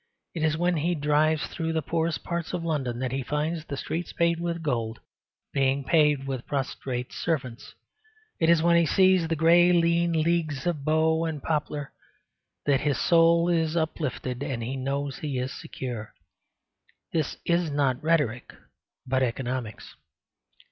It is when he drives through the poorest parts of London that he finds the streets paved with gold, being paved with prostrate servants; it is when he sees the grey lean leagues of Bow and Poplar that his soul is uplifted and he knows he is secure. This is not rhetoric, but economics.